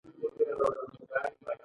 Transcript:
که چا ډیر اخیستل نو بل به وږی پاتې کیده.